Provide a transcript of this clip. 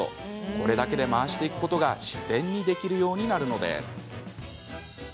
これだけで回していくことが自然にできるようになるのです。